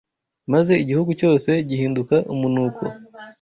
maze igihugu cyose gihinduka umunuko